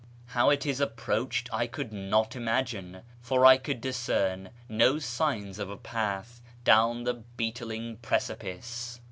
How it is approached I could not imagine, for I could discern no signs of a path down tlie beetling precipice.